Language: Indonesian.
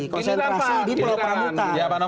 konsentrasi di pulau pramuka